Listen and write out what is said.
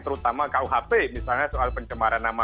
terutama kuhp misalnya soal pencemaran nama